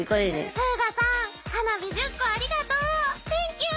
「フーガさん花火１０個ありがとう！テンキュー。